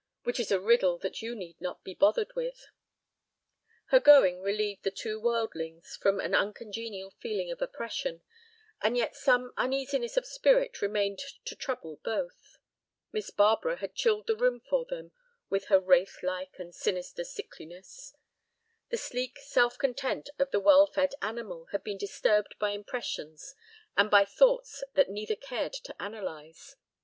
Which is a riddle that you need not be bothered with." Her going relieved the two worldlings from an uncongenial feeling of oppression, and yet some uneasiness of spirit remained to trouble both. Miss Barbara had chilled the room for them with her wraithlike and sinister sickliness. The sleek self content of the well fed animal had been disturbed by impressions and by thoughts that neither cared to analyze.